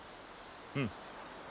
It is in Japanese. うん。